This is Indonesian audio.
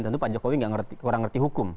tentu pak jokowi nggak kurang ngerti hukum